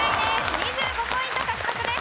２５ポイント獲得です。